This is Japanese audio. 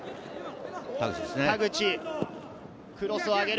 田口がクロスを上げる。